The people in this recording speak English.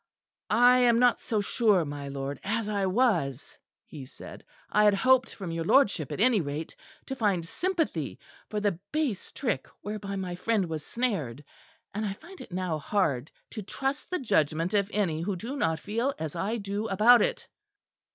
"I am not so sure, my lord, as I was," he said. "I had hoped from your lordship at any rate to find sympathy for the base trick whereby my friend was snared; and I find it now hard to trust the judgment of any who do not feel as I do about it."